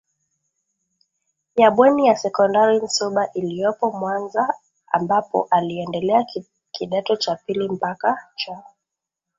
ya Bweni ya Sekondari Nsumba iliyopo Mwanza ambapo aliendelea kidato cha pili mpaka cha